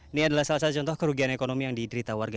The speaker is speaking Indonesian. ini adalah salah satu contoh kerugian ekonomi yang diderita warga